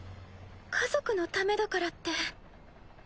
家族のためだからって。